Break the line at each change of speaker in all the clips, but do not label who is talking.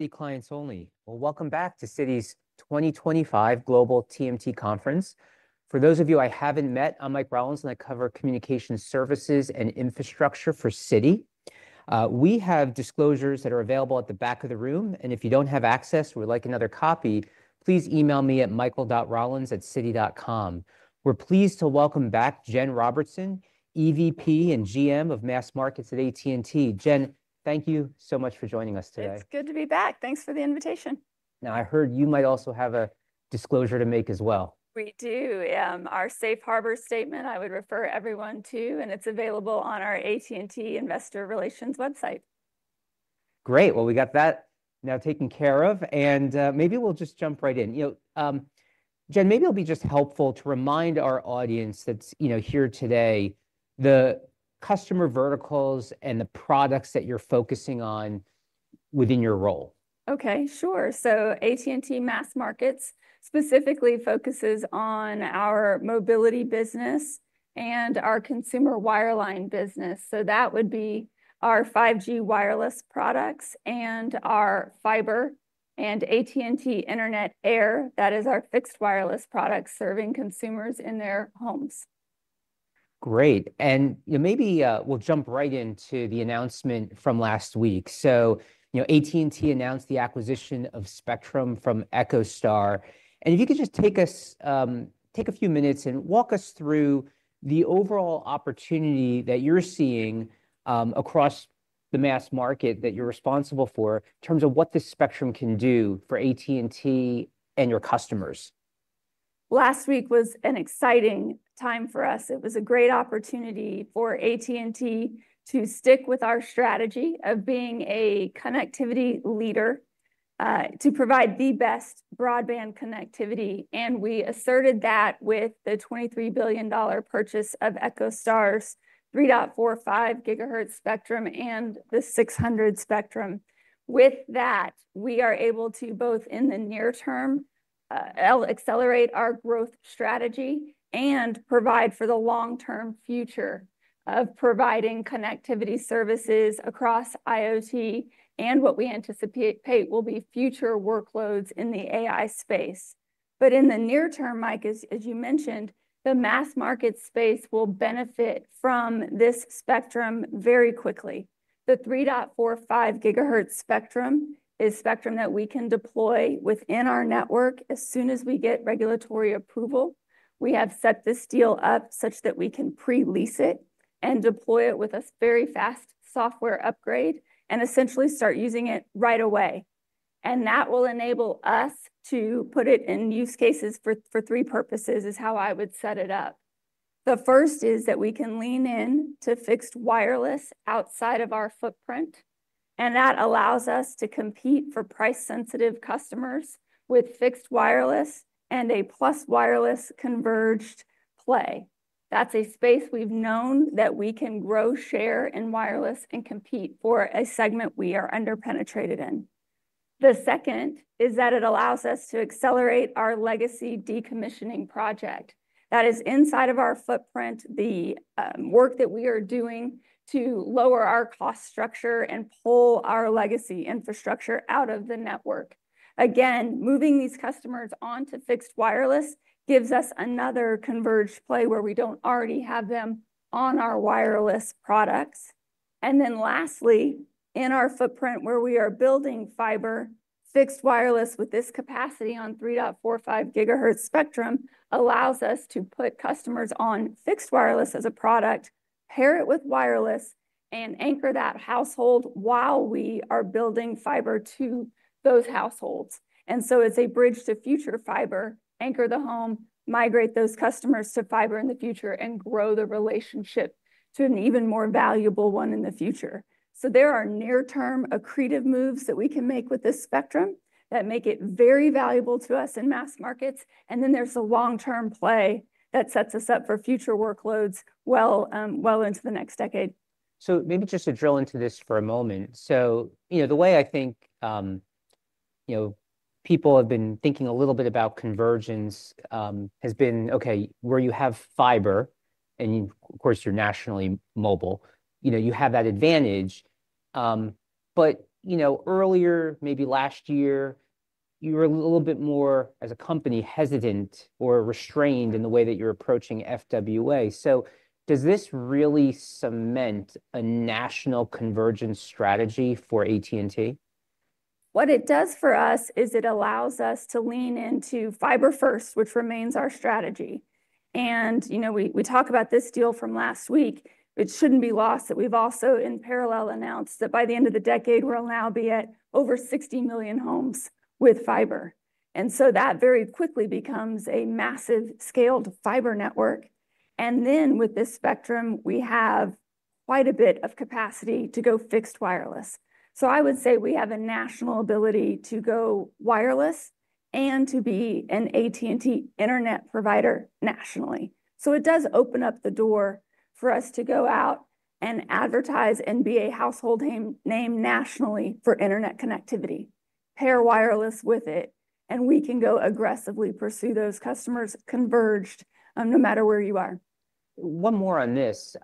Hey clients only, welcome back to Citi's 2025 Global TMT Conference. For those of you I haven't met, I'm Mike Rollins and I cover communication services and infrastructure for Citi. We have disclosures that are available at the back of the room, and if you don't have access or would like another copy, please email me at michael.rowlins@citi.com. We're pleased to welcome back Jen Robertson, EVP and GM of Mass Markets at AT&T. Jen, thank you so much for joining us today.
It's good to be back. Thanks for the invitation.
Now, I heard you might also have a disclosure to make as well.
We do. Our safe harbor statement I would refer everyone to, and it's available on our AT&T Investor Relations website.
Great. We got that now taken care of, and maybe we'll just jump right in. You know, Jen, maybe it'll be just helpful to remind our audience that's here today, the customer verticals and the products that you're focusing on within your role.
Okay, sure. AT&T Mass Markets specifically focuses on our mobility business and our consumer wireline business. That would be our 5G wireless products and our fiber and AT&T Internet Air, that is our fixed wireless products serving consumers in their homes.
Great. Maybe we'll jump right into the announcement from last week. AT&T announced the acquisition of spectrum from EchoStar. If you could just take a few minutes and walk us through the overall opportunity that you're seeing across the mass market that you're responsible for in terms of what the spectrum can do for AT&T and your customers.
Last week was an exciting time for us. It was a great opportunity for AT&T to stick with our strategy of being a connectivity leader to provide the best broadband connectivity. We asserted that with the $23 billion purchase of EchoStar's 3.45 GHz spectrum and the 600 MHz spectrum. With that, we are able to, both in the near term, accelerate our growth strategy and provide for the long-term future of providing connectivity services across IoT and what we anticipate will be future workloads in the AI space. In the near term, Mike, as you mentioned, the mass market space will benefit from this spectrum very quickly. The 3.45 GHz spectrum is a spectrum that we can deploy within our network as soon as we get regulatory approval. We have set this deal up such that we can pre-lease it and deploy it with a very fast software upgrade and essentially start using it right away. That will enable us to put it in use cases for three purposes, is how I would set it up. The first is that we can lean into fixed wireless outside of our footprint, and that allows us to compete for price-sensitive customers with fixed wireless and a plus wireless converged play. That's a space we've known that we can grow, share in wireless, and compete for a segment we are underpenetrated in. The second is that it allows us to accelerate our legacy decommissioning project. That is inside of our footprint, the work that we are doing to lower our cost structure and pull our legacy infrastructure out of the network. Moving these customers onto fixed wireless gives us another converged play where we don't already have them on our wireless products. Lastly, in our footprint where we are building fiber, fixed wireless with this capacity on 3.45 GHz spectrum allows us to put customers on fixed wireless as a product, pair it with wireless, and anchor that household while we are building fiber to those households. It's a bridge to future fiber, anchor the home, migrate those customers to fiber in the future, and grow the relationship to an even more valuable one in the future. There are near-term accretive moves that we can make with this spectrum that make it very valuable to us in mass markets. There's a long-term play that sets us up for future workloads well, well into the next decade.
Maybe just to drill into this for a moment. The way I think people have been thinking a little bit about convergence has been, okay, where you have fiber and, of course, you're nationally mobile, you have that advantage. Earlier, maybe last year, you were a little bit more, as a company, hesitant or restrained in the way that you're approaching FWA. Does this really cement a national convergence strategy for AT&T?
What it does for us is it allows us to lean into fiber first, which remains our strategy. We talk about this deal from last week. It shouldn't be lost that we've also, in parallel, announced that by the end of the decade, we'll now be at over 60 million homes with fiber. That very quickly becomes a massive scaled fiber network. With this spectrum, we have quite a bit of capacity to go fixed wireless. I would say we have a national ability to go wireless and to be an AT&T Internet provider nationally. It does open up the door for us to go out and advertise and be a household name nationally for internet connectivity, pair wireless with it, and we can go aggressively pursue those customers converged, no matter where you are.
One more on this.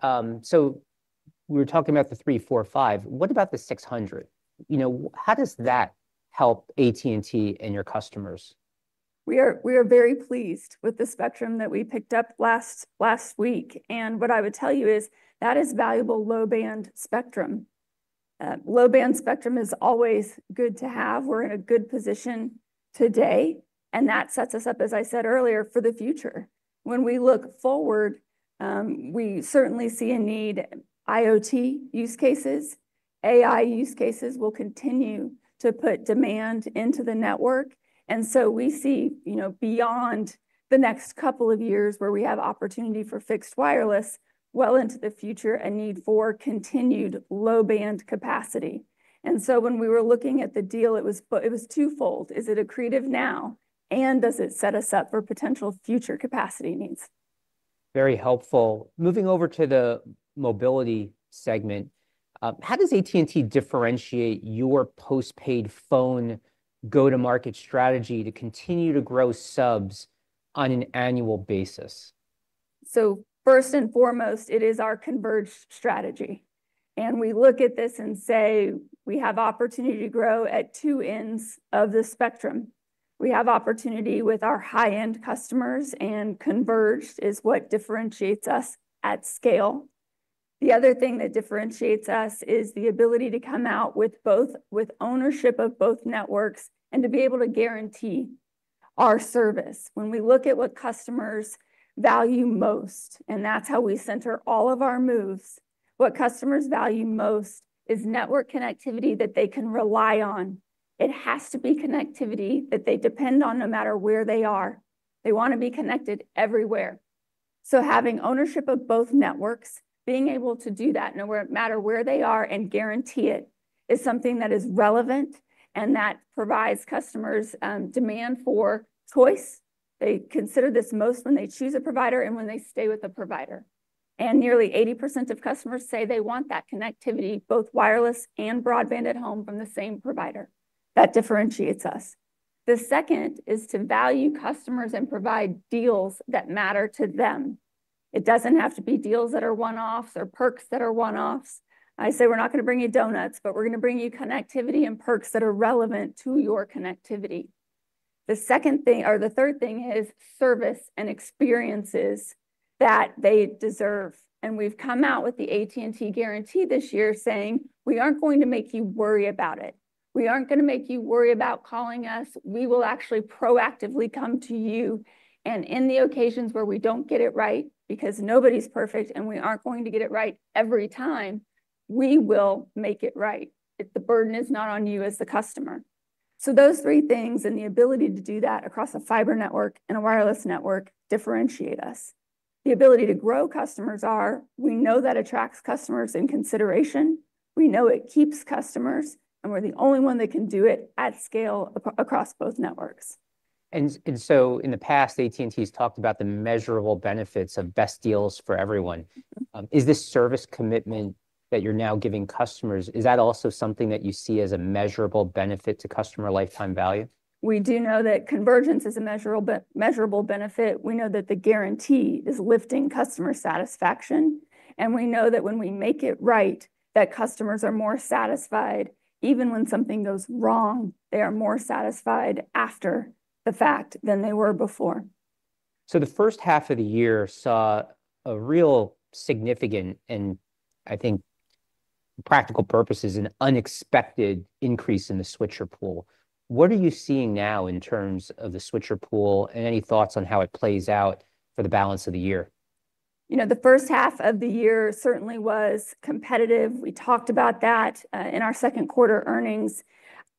We were talking about the 3.45 GHz spectrum. What about the 600 MHz spectrum? How does that help AT&T and your customers?
We are very pleased with the spectrum that we picked up last week. What I would tell you is that is valuable low- band spectrum. Low- band spectrum is always good to have. We're in a good position today, and that sets us up, as I said earlier, for the future. When we look forward, we certainly see a need for IoT use cases. AI use cases will continue to put demand into the network. We see, beyond the next couple of years where we have opportunity for fixed wireless, well into the future, a need for continued low- band capacity. When we were looking at the deal, it was twofold. Is it accretive now? Does it set us up for potential future capacity needs?
Very helpful. Moving over to the mobility segment, how does AT&T differentiate your postpaid phone go-to-market strategy to continue to grow subs on an annual basis?
First and foremost, it is our converged strategy. We look at this and say we have opportunity to grow at two ends of the spectrum. We have opportunity with our high-end customers, and converged is what differentiates us at scale. The other thing that differentiates us is the ability to come out with ownership of both networks and to be able to guarantee our service. When we look at what customers value most, and that's how we center all of our moves, what customers value most is network connectivity that they can rely on. It has to be connectivity that they depend on no matter where they are. They want to be connected everywhere. Having ownership of both networks, being able to do that no matter where they are and guarantee it is something that is relevant and that provides customers demand for choice. They consider this most when they choose a provider and when they stay with a provider. Nearly 80% of customers say they want that connectivity, both wireless and broadband at home from the same provider. That differentiates us. The second is to value customers and provide deals that matter to them. It doesn't have to be deals that are one-offs or perks that are one-offs. I say we're not going to bring you donuts, but we're going to bring you connectivity and perks that are relevant to your connectivity. The third thing is service and experiences that they deserve. We've come out with the AT&T guarantee this year saying we aren't going to make you worry about it. We aren't going to make you worry about calling us. We will actually proactively come to you. In the occasions where we don't get it right, because nobody's perfect and we aren't going to get it right every time, we will make it right. The burden is not on you as the customer. Those three things and the ability to do that across a fiber network and a wireless network differentiate us. The ability to grow customers is we know that attracts customers in consideration. We know it keeps customers, and we're the only one that can do it at scale across both networks.
In the past, AT&T has talked about the measurable benefits of best deals for everyone. Is this service commitment that you're now giving customers also something that you see as a measurable benefit to customer lifetime value?
We do know that convergence is a measurable benefit. We know that the guarantee is lifting customer satisfaction. We know that when we make it right, customers are more satisfied. Even when something goes wrong, they are more satisfied after the fact than they were before.
The first half of the year saw a real significant and, I think for practical purposes, an unexpected increase in the switcher pool. What are you seeing now in terms of the switcher pool, and any thoughts on how it plays out for the balance of the year?
You know, the first half of the year certainly was competitive. We talked about that in our second quarter earnings.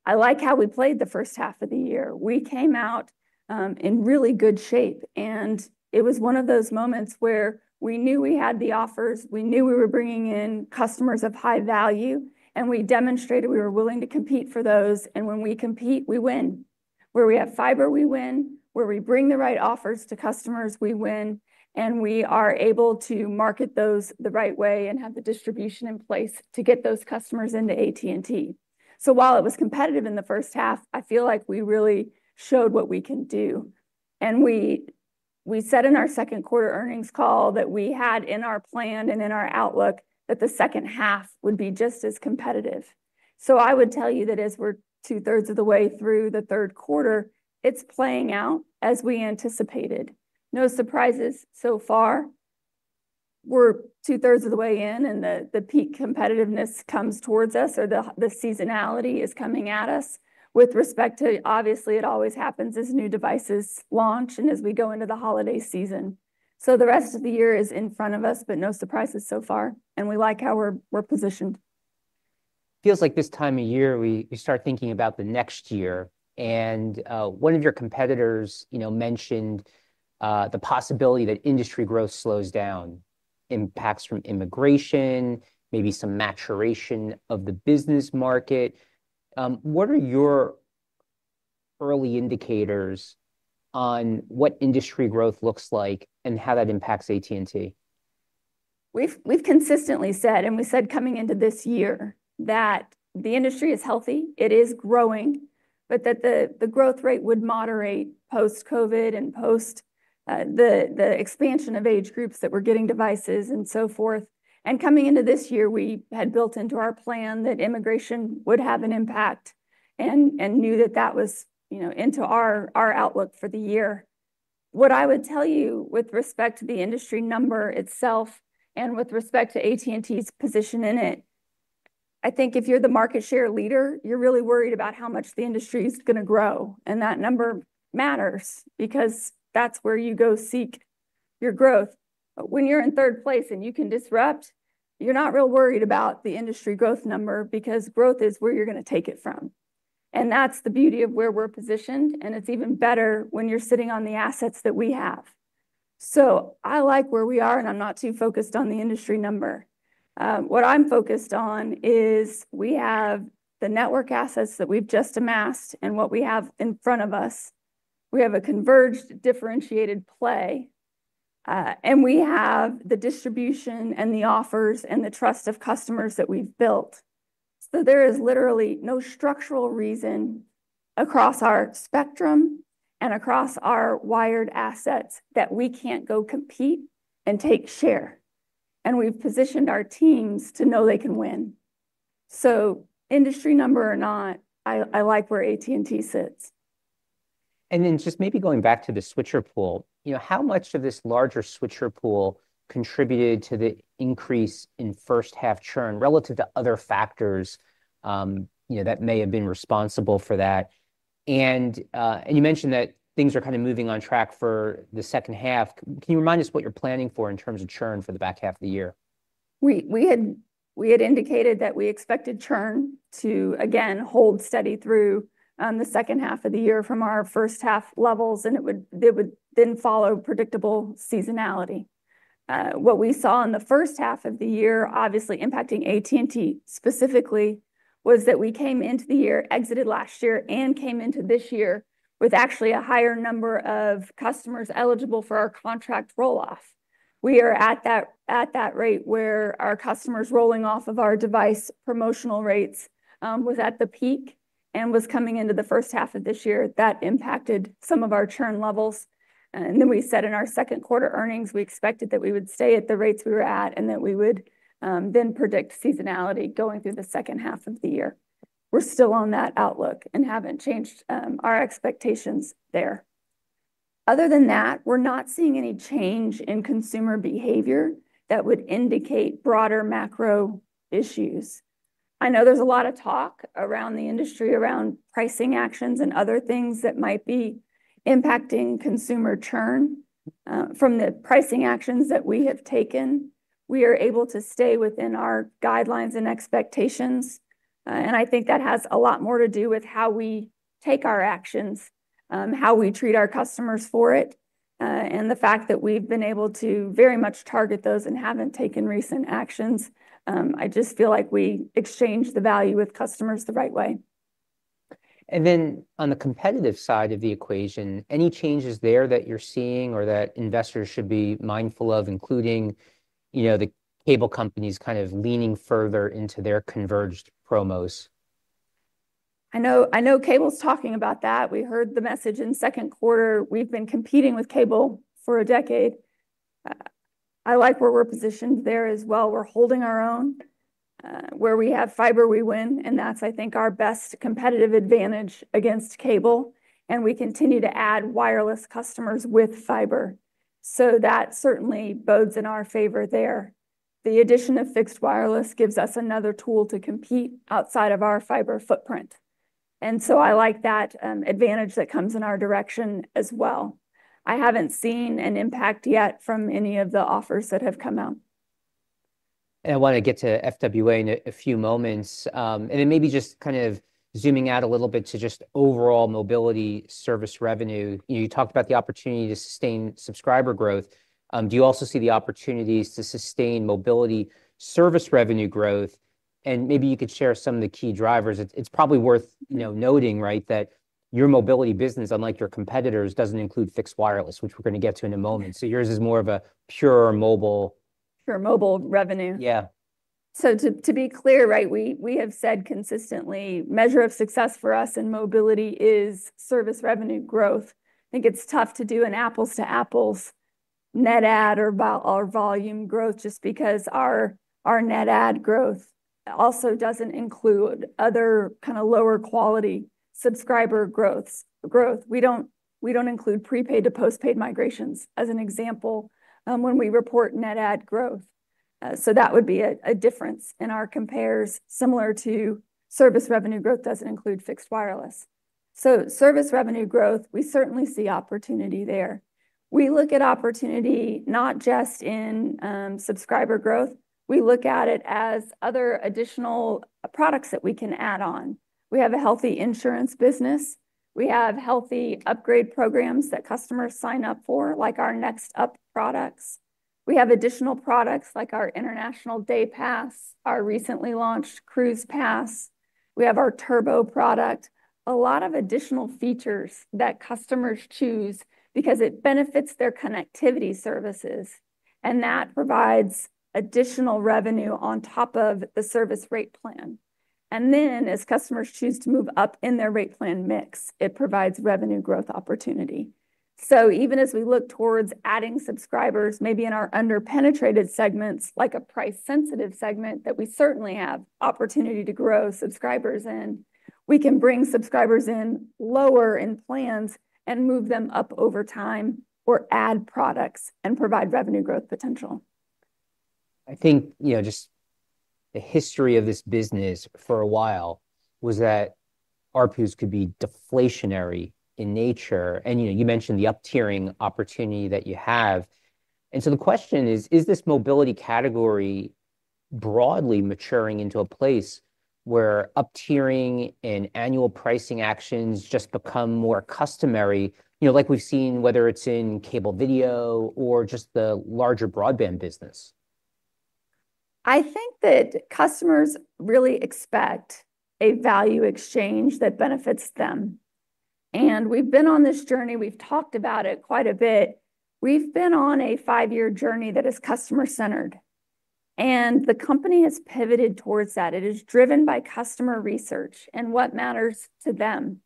I like how we played the first half of the year. We came out in really good shape. It was one of those moments where we knew we had the offers, we knew we were bringing in customers of high value, and we demonstrated we were willing to compete for those. When we compete, we win. Where we have fiber, we win. Where we bring the right offers to customers, we win. We are able to market those the right way and have the distribution in place to get those customers into AT&T. While it was competitive in the first half, I feel like we really showed what we can do. We said in our second quarter earnings call that we had in our plan and in our outlook that the second half would be just as competitive. I would tell you that as we're 2/3 of the way through the third quarter, it's playing out as we anticipated. No surprises so far. We're two-thirds of the way in and the peak competitiveness comes towards us or the seasonality is coming at us with respect to, obviously, it always happens as new devices launch and as we go into the holiday season. The rest of the year is in front of us, but no surprises so far. We like how we're positioned.
It feels like this time of year we start thinking about the next year. One of your competitors mentioned the possibility that industry growth slows down, impacts from immigration, maybe some maturation of the business market. What are your early indicators on what industry growth looks like and how that impacts AT&T?
We've consistently said, and we said coming into this year, that the industry is healthy, it is growing, but that the growth rate would moderate post-COVID and post the expansion of age groups that were getting devices and so forth. Coming into this year, we had built into our plan that immigration would have an impact and knew that was into our outlook for the year. What I would tell you with respect to the industry number itself and with respect to AT&T's position in it, I think if you're the market share leader, you're really worried about how much the industry is going to grow. That number matters because that's where you go seek your growth. When you're in third place and you can disrupt, you're not real worried about the industry growth number because growth is where you're going to take it from. That's the beauty of where we're positioned. It's even better when you're sitting on the assets that we have. I like where we are, and I'm not too focused on the industry number. What I'm focused on is we have the network assets that we've just amassed and what we have in front of us. We have a converged, differentiated play. We have the distribution and the offers and the trust of customers that we've built. There is literally no structural reason across our spectrum and across our wired assets that we can't go compete and take share. We've positioned our teams to know they can win. Industry number or not, I like where AT&T sits.
Just maybe going back to the switcher pool, how much of this larger switcher pool contributed to the increase in first-half churn relative to other factors that may have been responsible for that? You mentioned that things are kind of moving on track for the second half. Can you remind us what you're planning for in terms of churn for the back half of the year?
We had indicated that we expected churn to again hold steady through the second half of the year from our first-half levels, and it would then follow predictable seasonality. What we saw in the first half of the year, obviously impacting AT&T specifically, was that we came into the year, exited last year, and came into this year with actually a higher number of customers eligible for our contract roll-off. We are at that rate where our customers rolling off of our device promotional rates was at the peak and was coming into the first half of this year that impacted some of our churn levels. We said in our second quarter earnings we expected that we would stay at the rates we were at and that we would then predict seasonality going through the second half of the year. We're still on that outlook and haven't changed our expectations there. Other than that, we're not seeing any change in consumer behavior that would indicate broader macro issues. I know there's a lot of talk around the industry, around pricing actions and other things that might be impacting consumer churn. From the pricing actions that we have taken, we are able to stay within our guidelines and expectations. I think that has a lot more to do with how we take our actions, how we treat our customers for it, and the fact that we've been able to very much target those and haven't taken recent actions. I just feel like we exchange the value with customers the right way.
On the competitive side of the equation, any changes there that you're seeing or that investors should be mindful of, including the cable companies kind of leaning further into their converged promos?
I know cable's talking about that. We heard the message in the second quarter. We've been competing with cable for a decade. I like where we're positioned there as well. We're holding our own. Where we have fiber, we win, and that's, I think, our best competitive advantage against cable. We continue to add wireless customers with fiber, so that certainly bodes in our favor there. The addition of fixed wireless gives us another tool to compete outside of our fiber footprint. I like that advantage that comes in our direction as well. I haven't seen an impact yet from any of the offers that have come out.
I want to get to FWA in a few moments. Maybe just kind of zooming out a little bit to overall mobility service revenue, you talked about the opportunity to sustain subscriber growth. Do you also see the opportunities to sustain mobility service revenue growth? Maybe you could share some of the key drivers. It's probably worth noting that your mobility business, unlike your competitors, doesn't include fixed wireless, which we're going to get to in a moment. Yours is more of a pure mobile.
Pure mobile revenue.
Yeah.
To be clear, we have said consistently measure of success for us in mobility is service revenue growth. I think it's tough to do an apples-to-apples net add or volume growth just because our net add growth also doesn't include other kind of lower quality subscriber growth. We don't include prepaid to postpaid migrations as an example when we report net add growth. That would be a difference in our comparison, similar to service revenue growth doesn't include fixed wireless. Service revenue growth, we certainly see opportunity there. We look at opportunity not just in subscriber growth. We look at it as other additional products that we can add on. We have a healthy insurance business. We have healthy upgrade programs that customers sign up for, like our Next Up products. We have additional products like our International Day Pass, our recently launched Cruise Pass. We have our Turbo product. A lot of additional features that customers choose because it benefits their connectivity services. That provides additional revenue on top of the service rate plan. As customers choose to move up in their rate plan mix, it provides revenue growth opportunity. Even as we look towards adding subscribers, maybe in our underpenetrated segments, like a price-sensitive segment that we certainly have opportunity to grow subscribers in, we can bring subscribers in lower in plans and move them up over time or add products and provide revenue growth potential.
I think just the history of this business for a while was that ARPUs could be deflationary in nature. You mentioned the up-tiering opportunity that you have. The question is, is this mobility category broadly maturing into a place where up-tiering and annual pricing actions just become more customary, like we've seen whether it's in cable video or just the larger broadband business?
I think that customers really expect a value exchange that benefits them. We've been on this journey. We've talked about it quite a bit. We've been on a five-year journey that is customer-centered, and the company has pivoted towards that. It is driven by customer research and what matters to them.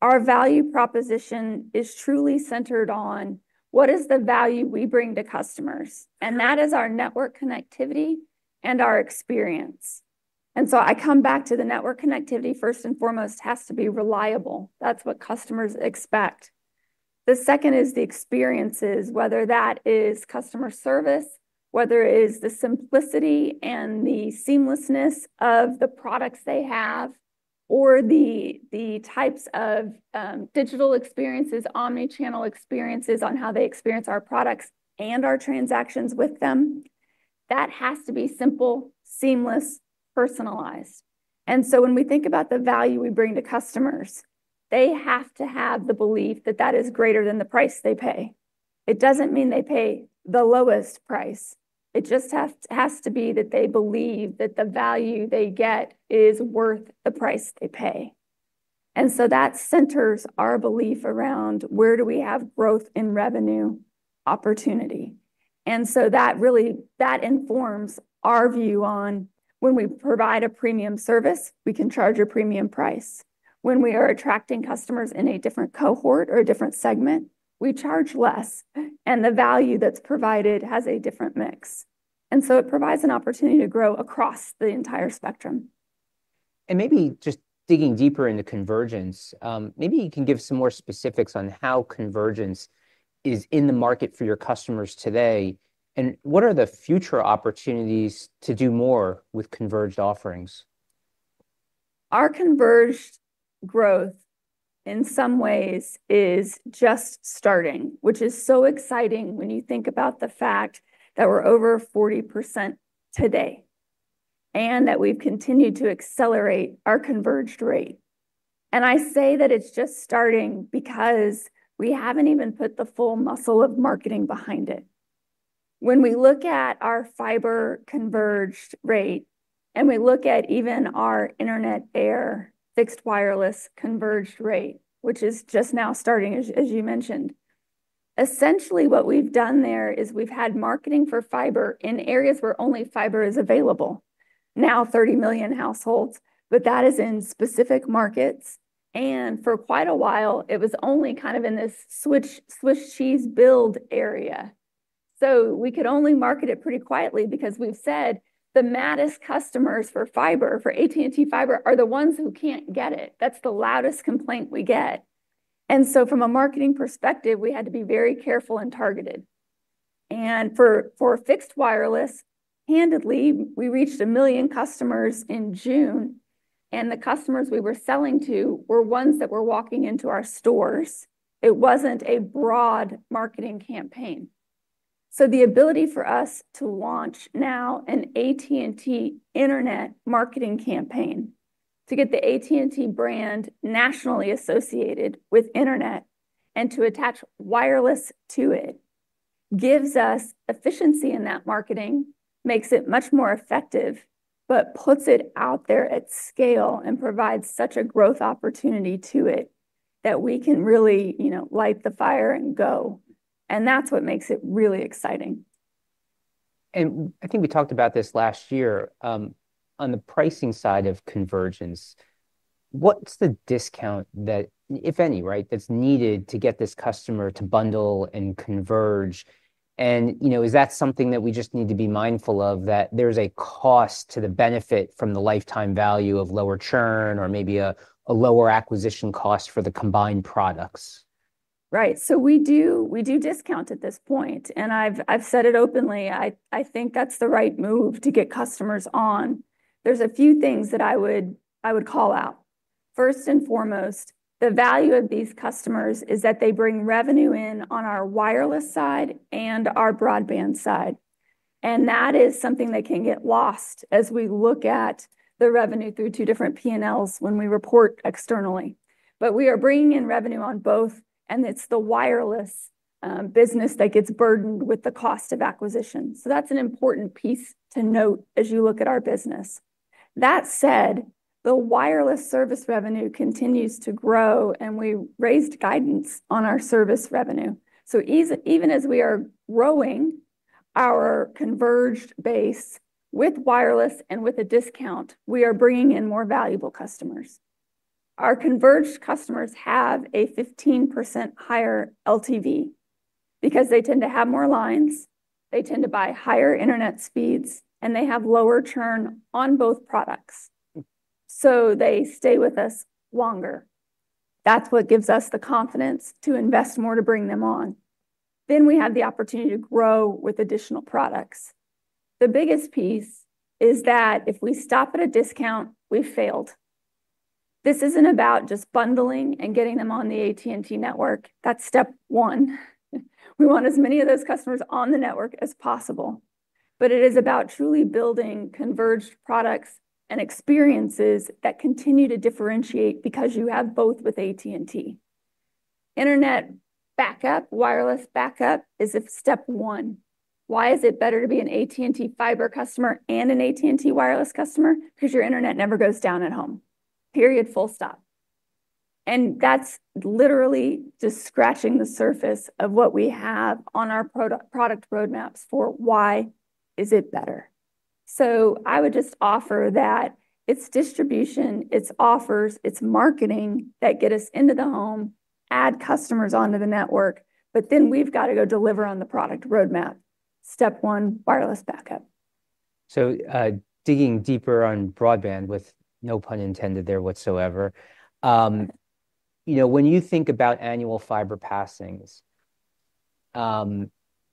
Our value proposition is truly centered on what is the value we bring to customers, and that is our network connectivity and our experience. I come back to the network connectivity first and foremost has to be reliable. That's what customers expect. The second is the experiences, whether that is customer service, whether it is the simplicity and the seamlessness of the products they have, or the types of digital experiences, omnichannel experiences on how they experience our products and our transactions with them. That has to be simple, seamless, personalized. When we think about the value we bring to customers, they have to have the belief that that is greater than the price they pay. It doesn't mean they pay the lowest price. It just has to be that they believe that the value they get is worth the price they pay. That centers our belief around where do we have growth in revenue opportunity. That really informs our view on when we provide a premium service, we can charge a premium price. When we are attracting customers in a different cohort or a different segment, we charge less, and the value that's provided has a different mix. It provides an opportunity to grow across the entire spectrum.
Maybe just digging deeper into convergence, maybe you can give some more specifics on how convergence is in the market for your customers today. What are the future opportunities to do more with converged offerings?
Our converged growth in some ways is just starting, which is so exciting when you think about the fact that we're over 40% today and that we've continued to accelerate our converged rate. I say that it's just starting because we haven't even put the full muscle of marketing behind it. When we look at our fiber converged rate and we look at even our Internet Air fixed wireless converged rate, which is just now starting, as you mentioned, essentially what we've done there is we've had marketing for fiber in areas where only fiber is available. Now 30 million households, but that is in specific markets. For quite a while, it was only kind of in this Swiss cheese build area. We could only market it pretty quietly because we've said the maddest customers for fiber, for AT&T fiber, are the ones who can't get it. That's the loudest complaint we get. From a marketing perspective, we had to be very careful and targeted. For fixed wireless, candidly, we reached a million customers in June. The customers we were selling to were ones that were walking into our stores. It wasn't a broad marketing campaign. The ability for us to launch now an AT&T Internet marketing campaign to get the AT&T brand nationally associated with Internet and to attach wireless to it gives us efficiency in that marketing, makes it much more effective, puts it out there at scale, and provides such a growth opportunity to it that we can really, you know, light the fire and go. That's what makes it really exciting.
I think we talked about this last year. On the pricing side of convergence, what's the discount that, if any, that's needed to get this customer to bundle and converge? Is that something that we just need to be mindful of, that there's a cost to the benefit from the lifetime value of lower churn or maybe a lower acquisition cost for the combined products?
Right. We do discount at this point. I've said it openly. I think that's the right move to get customers on. There are a few things that I would call out. First and foremost, the value of these customers is that they bring revenue in on our wireless side and our broadband side. That is something that can get lost as we look at the revenue through two different P&Ls when we report externally. We are bringing in revenue on both, and it's the wireless business that gets burdened with the cost of acquisition. That's an important piece to note as you look at our business. That said, the wireless service revenue continues to grow, and we raised guidance on our service revenue. Even as we are growing our converged base with wireless and with a discount, we are bringing in more valuable customers. Our converged customers have a 15% higher LTV because they tend to have more lines, they tend to buy higher internet speeds, and they have lower churn on both products. They stay with us longer. That's what gives us the confidence to invest more to bring them on. We have the opportunity to grow with additional products. The biggest piece is that if we stop at a discount, we've failed. This isn't about just bundling and getting them on the AT&T network. That's step one. We want as many of those customers on the network as possible. It is about truly building converged products and experiences that continue to differentiate because you have both with AT&T. Internet backup, wireless backup is step one. Why is it better to be an AT&T fiber customer and an AT&T wireless customer? Because your Internet never goes down at home. Period. Full stop. That's literally just scratching the surface of what we have on our product roadmaps for why is it better. I would just offer that it's distribution, it's offers, it's marketing that get us into the home, add customers onto the network, but then we've got to go deliver on the product roadmap. Step one, wireless backup.
Digging deeper on broadband, with no pun intended there whatsoever, when you think about annual fiber passings, from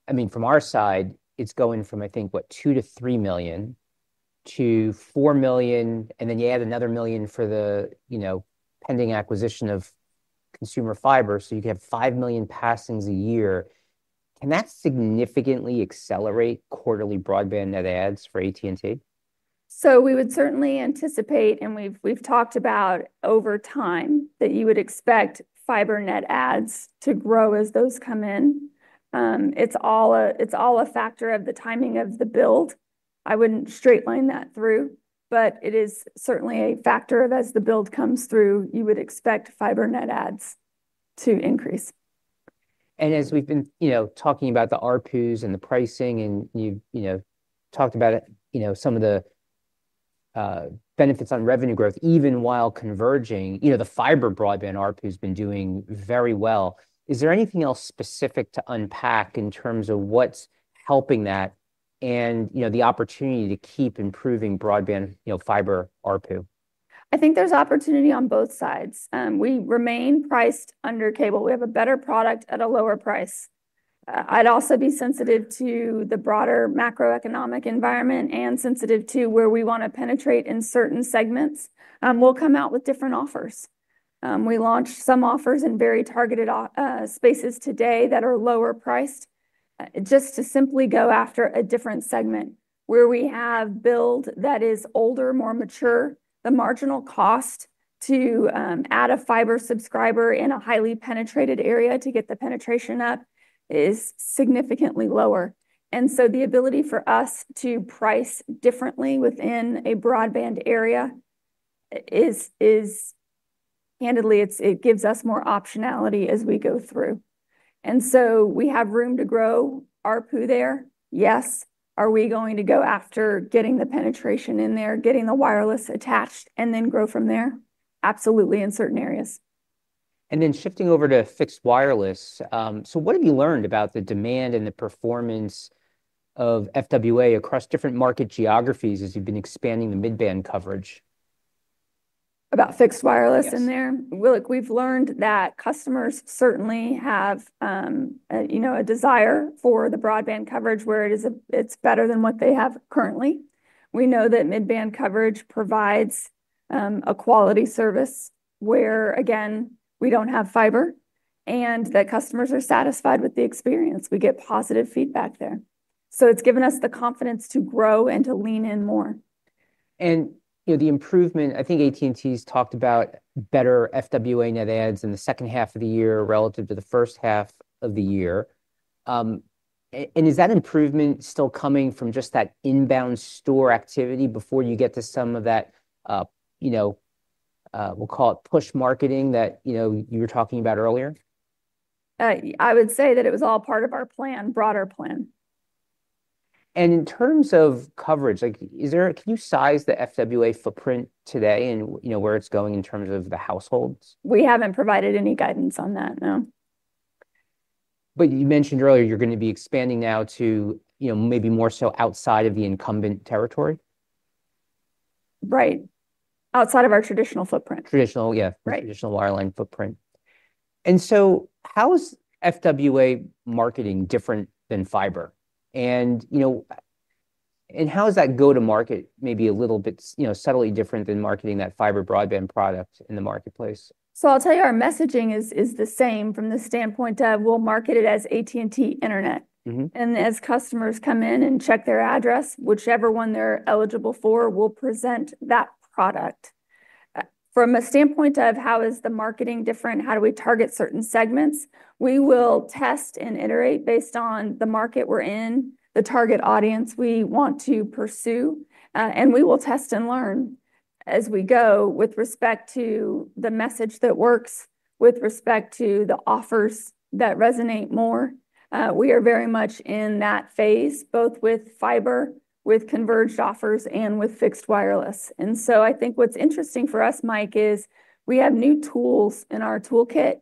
our side, it's going from, I think, what, two to three million to four million, and then you add another million for the pending acquisition of consumer fiber. You could have five million passings a year. Can that significantly accelerate quarterly broadband net adds for AT&T?
We would certainly anticipate, and we've talked about over time, that you would expect fiber net adds to grow as those come in. It's all a factor of the timing of the build. I wouldn't straight line that through, but it is certainly a factor of as the build comes through, you would expect fiber net adds to increase.
As we've been talking about the ARPUs and the pricing, you've talked about some of the benefits on revenue growth. Even while converging, the fiber broadband ARPU has been doing very well. Is there anything else specific to unpack in terms of what's helping that and the opportunity to keep improving broadband fiber ARPU?
I think there's opportunity on both sides. We remain priced under cable. We have a better product at a lower price. I'd also be sensitive to the broader macroeconomic environment and sensitive to where we want to penetrate in certain segments. We'll come out with different offers. We launched some offers in very targeted spaces today that are lower priced just to simply go after a different segment. Where we have build that is older, more mature, the marginal cost to add a fiber subscriber in a highly penetrated area to get the penetration up is significantly lower. The ability for us to price differently within a broadband area is, candidly, it gives us more optionality as we go through. We have room to grow ARPU there. Yes. Are we going to go after getting the penetration in there, getting the wireless attached, and then grow from there? Absolutely in certain areas.
Shifting over to fixed wireless. What have you learned about the demand and the performance of FWA across different market geographies as you've been expanding the mid-band coverage?
About fixed wireless in there? Look, we've learned that customers certainly have a desire for the broadband coverage where it's better than what they have currently. We know that mid-band coverage provides a quality service where, again, we don't have fiber and that customers are satisfied with the experience. We get positive feedback there. It's given us the confidence to grow and to lean in more.
The improvement, I think AT&T's talked about better fixed wireless access net adds in the second half of the year relative to the first half of the year. Is that improvement still coming from just that inbound store activity before you get to some of that, we'll call it push marketing that you were talking about earlier?
I would say that it was all part of our broader plan.
In terms of coverage, is there, can you size the fixed wireless access footprint today and where it's going in terms of the households?
We haven't provided any guidance on that, no.
You mentioned earlier you're going to be expanding now to, you know, maybe more so outside of the incumbent territory?
Right. Outside of our traditional wireline footprint.
Traditional wireline footprint. How is fixed wireless access marketing different than fiber, and how does that go to market maybe a little bit subtly different than marketing that fiber broadband product in the marketplace?
Our messaging is the same from the standpoint of we'll market it as AT&T Internet. As customers come in and check their address, whichever one they're eligible for, we'll present that product. From a standpoint of how is the marketing different, how do we target certain segments, we will test and iterate based on the market we're in, the target audience we want to pursue, and we will test and learn as we go with respect to the message that works, with respect to the offers that resonate more. We are very much in that phase, both with fiber, with converged offers, and with fixed wireless. I think what's interesting for us, Mike, is we have new tools in our toolkit,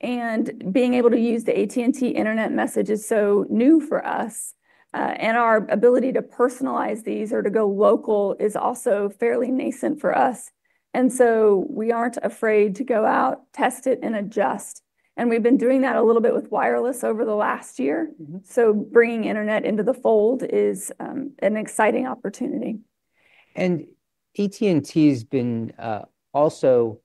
and being able to use the AT&T Internet message is so new for us. Our ability to personalize these or to go local is also fairly nascent for us. We aren't afraid to go out, test it, and adjust. We've been doing that a little bit with wireless over the last year. Bringing Internet into the fold is an exciting opportunity.
AT&T's been also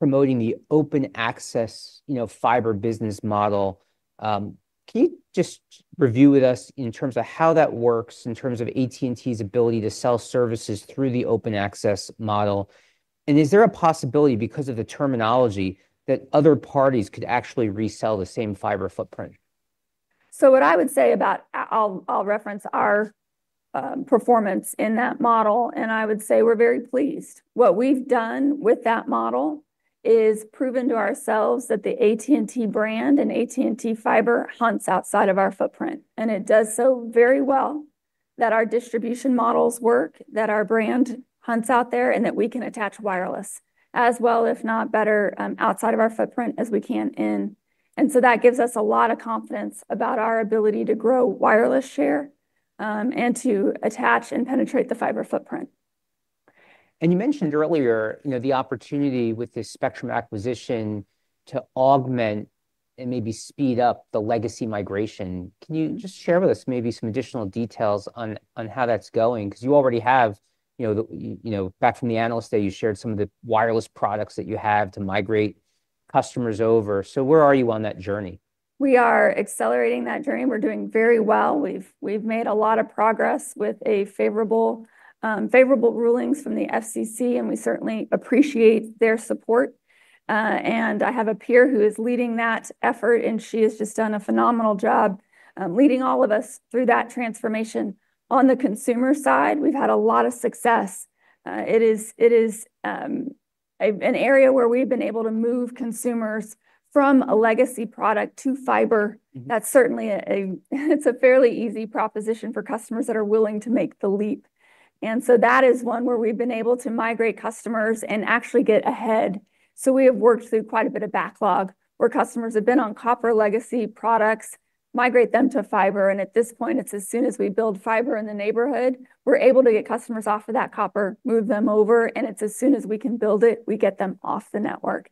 promoting the open access, you know, fiber business model. Can you just review with us in terms of how that works, in terms of AT&T's ability to sell services through the open access model? Is there a possibility because of the terminology that other parties could actually resell the same fiber footprint?
What I would say about, I'll reference our performance in that model, and I would say we're very pleased. What we've done with that model is proven to ourselves that the AT&T brand and AT&T fiber hunts outside of our footprint. It does so very well, that our distribution models work, that our brand hunts out there, and that we can attach wireless as well, if not better, outside of our footprint as we can in. That gives us a lot of confidence about our ability to grow wireless share and to attach and penetrate the fiber footprint.
You mentioned earlier the opportunity with this spectrum acquisition to augment and maybe speed up the legacy migration. Can you just share with us maybe some additional details on how that's going? You already have, back from the analyst day, you shared some of the wireless products that you have to migrate customers over. Where are you on that journey?
We are accelerating that journey. We're doing very well. We've made a lot of progress with favorable rulings from the FCC, and we certainly appreciate their support. I have a peer who is leading that effort, and she has just done a phenomenal job leading all of us through that transformation. On the consumer side, we've had a lot of success. It is an area where we've been able to move consumers from a legacy product to fiber. That's certainly a, it's a fairly easy proposition for customers that are willing to make the leap. That is one where we've been able to migrate customers and actually get ahead. We have worked through quite a bit of backlog where customers have been on copper legacy products, migrate them to fiber. At this point, as soon as we build fiber in the neighborhood, we're able to get customers off of that copper, move them over, and as soon as we can build it, we get them off the network.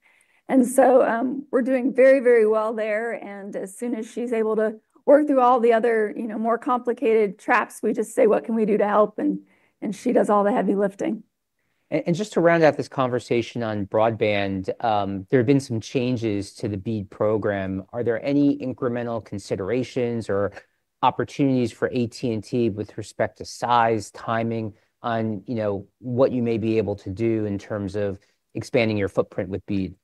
We're doing very, very well there. As soon as she's able to work through all the other, you know, more complicated traps, we just say, what can we do to help? She does all the heavy lifting.
To round out this conversation on broadband, there have been some changes to the BEAD program. Are there any incremental considerations or opportunities for AT&T with respect to size, timing on what you may be able to do in terms of expanding your footprint with BEAD?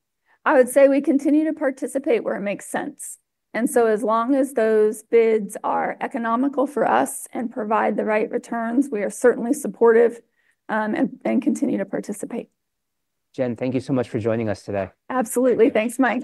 I would say we continue to participate where it makes sense. As long as those bids are economical for us and provide the right returns, we are certainly supportive and continue to participate.
Jen, thank you so much for joining us today.
Absolutely. Thanks, Mike.